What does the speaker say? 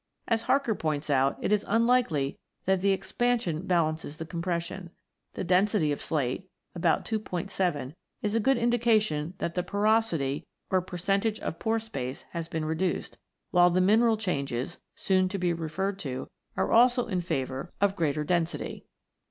As Harker points out, it is unlikely that the expansion balances the com pression. The density of slate, about 2*7, is a good indication that the "porosity," or percentage of pore space, has been reduced, while the mineral changes, soon to be referred to, are also in favour of greater 90 ROCKS AND THEIR ORIGINS [CH. density.